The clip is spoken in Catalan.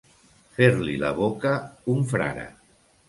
Fer-li la boca un frare.